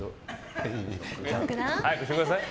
早くしてください。